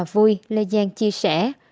vui lê giang chia sẻ